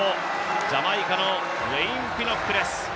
ジャマイカのウェイン・ピノックです。